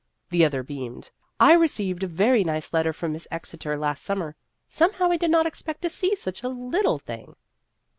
The other beamed :" I received a very nice letter from Miss Exeter last summer. Somehow I did not expect to see such a little thing."